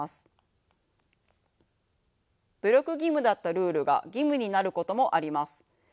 努力義務だったルールが義務になることもあります。